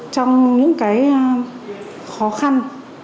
trong những cái khó khăn